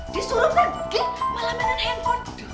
disuruh pergi malah menon handphone